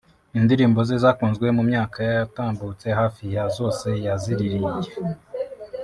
indirimbo ze zakunzwe mu myaka yatambutse hafi ya zose yaziririmbye